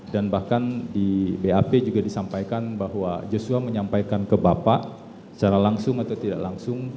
dan bahkan di bap juga disampaikan bahwa joshua menyampaikan ke bapak secara langsung atau tidak langsung